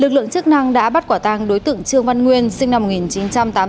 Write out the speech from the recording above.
lực lượng chức năng đã bắt quả tang đối tượng trương văn nguyên sinh năm một nghìn chín trăm tám mươi tám